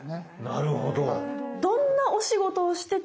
なるほど。